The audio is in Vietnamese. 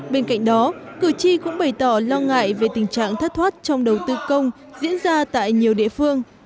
bên cạnh đó cử tri cũng bày tỏ lo ngại về tình trạng thất thoát trong đầu tư công diễn ra tại nhiều địa phương